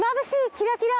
キラキラ。